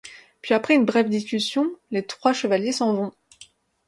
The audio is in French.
Puis après une brève discussion les trois chevaliers s'en vont.